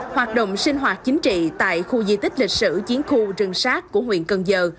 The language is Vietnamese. hoạt động sinh hoạt chính trị tại khu di tích lịch sử chiến khu rừng sát của huyện cần giờ